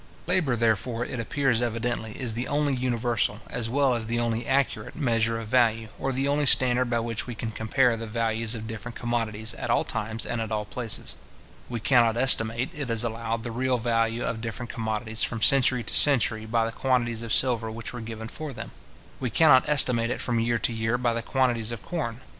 Labour, therefore, it appears evidently, is the only universal, as well as the only accurate, measure of value, or the only standard by which we can compare the values of different commodities, at all times, and at all places. We cannot estimate, it is allowed, the real value of different commodities from century to century by the quantities of silver which were given for them. We cannot estimate it from year to year by the quantities of corn.